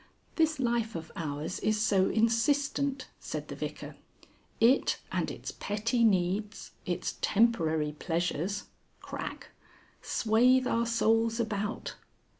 "This life of ours is so insistent," said the Vicar. "It, and its petty needs, its temporary pleasures (Crack) swathe our souls about.